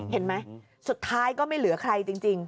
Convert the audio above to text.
เห็นไหมสุดท้ายก็ไม่เหลือใครจริง